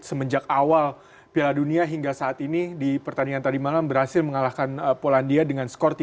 semenjak awal piala dunia hingga saat ini di pertandingan tadi malam berhasil mengalahkan polandia dengan skor tiga